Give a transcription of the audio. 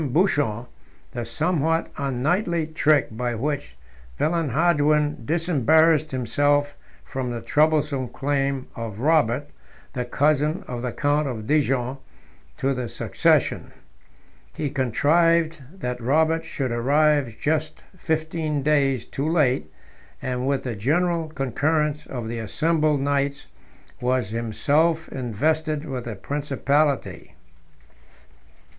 Buchon, the somewhat unknightly trick by which Villehardouin disembarrassed himself from the troublesome claim of Robert, the cousin of the count of Dijon. to the succession. He contrived that Robert should arrive just fifteen days too late; and with the general concurrence of the assembled knights was himself invested with the principality. Ibid. p.